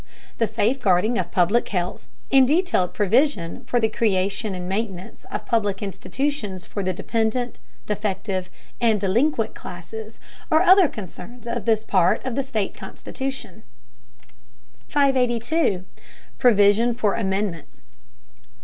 The safeguarding of the public health, and detailed provision for the creation and maintenance of public institutions for the dependent, defective, and delinquent classes, are other concerns of this part of the state constitution. 582. PROVISION FOR AMENDMENT.